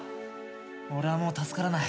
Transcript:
俺はもう助からない。